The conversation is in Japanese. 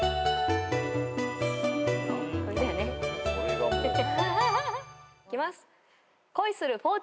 これだよね。いきます。